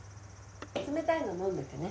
冷たいの飲んでてね。